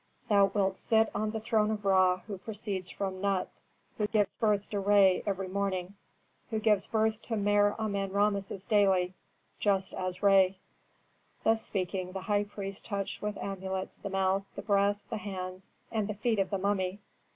Thou wilt sit on the throne of Ra who proceeds from Nut, who gives birth to Re every morning, who gives birth to Mer Amen Rameses daily, just as Re." Thus speaking, the high priest touched with amulets the mouth, the breasts, the hands, and the feet of the mummy.